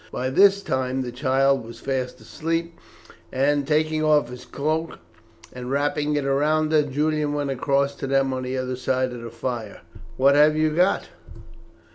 By this time the child was fast asleep, and, taking off his cloak and wrapping it round her, Julian went across to them on the other side of the fire. "What have you got?"